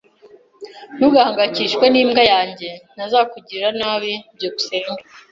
Ntugahangayikishwe n'imbwa yanjye. Ntazakugirira nabi. byukusenge